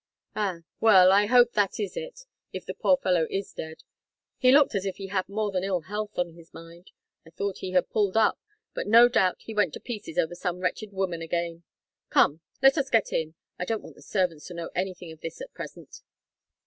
"Ah! Well I hope that is it if the poor fellow is dead. He looked as if he had more than ill health on his mind. I thought he had pulled up, but no doubt he went to pieces over some wretched woman again. Come, let us get in. I don't want the servants to know anything of this at present."